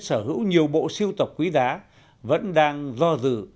sở hữu nhiều bộ siêu tập quý giá vẫn đang do dự